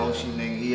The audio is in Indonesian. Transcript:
kupasar aja lho